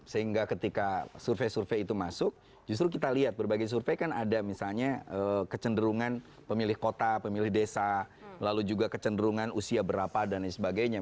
sehingga ketika survei survei itu masuk justru kita lihat berbagai survei kan ada misalnya kecenderungan pemilih kota pemilih desa lalu juga kecenderungan usia berapa dan sebagainya